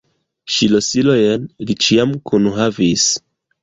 Ŝlosilojn li ĉiam kunhavis.